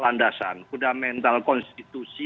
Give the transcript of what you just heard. landasan fundamental konstitusi